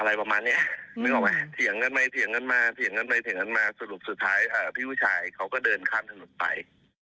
สรุปสุดท้ายผู้หญิงเขาก็เดินคามสนุกไป